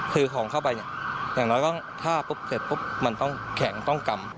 ถือของเข้าไปอย่างนั้นถ้าพบเผ็ดพบมันท้องแข็งต้องกำ